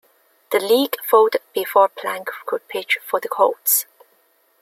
The league folded before Plank could pitch for the Colts.